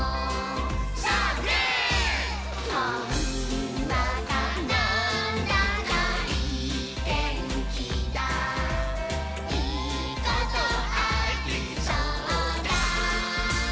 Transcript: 「ほんわかなんだかいいてんきだいいことありそうだ！」